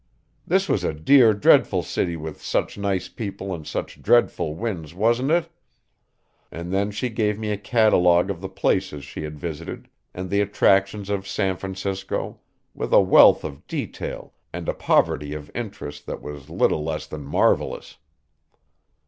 This was a dear, dreadful city with such nice people and such dreadful winds, wasn't it? And then she gave me a catalogue of the places she had visited, and the attractions of San Francisco, with a wealth of detail and a poverty of interest that was little less than marvelous.